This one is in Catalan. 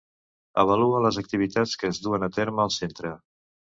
Avalua les activitats que es duen a terme al centre.